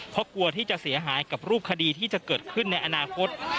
เพราะกลัวที่จะเสียหายกับรูปคดีที่จะเกิดขึ้นในอนาคต